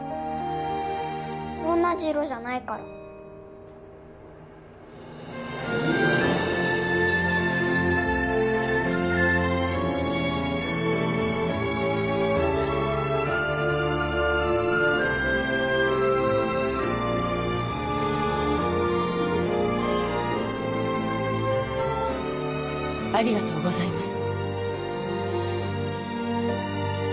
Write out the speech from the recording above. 同じ色じゃないからありがとうございます